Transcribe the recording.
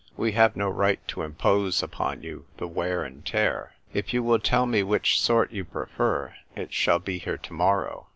We have no right to impose upon you the wear and tear. If you will tell me which sort you prefer, it shall be here to morrow.